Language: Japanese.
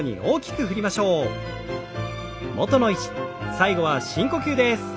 最後は深呼吸です。